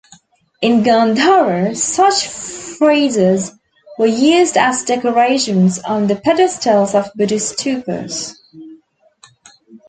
In Gandhara, such friezes were used as decorations on the pedestals of Buddhist stupas.